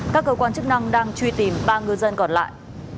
các cơ quan chức năng đang truy tìm ba ngư dân còn lại